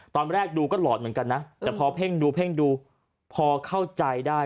ตอนแรกดูก็หลอนเหมือนกันนะแต่พอเพ่งดูเพ่งดูพอเข้าใจได้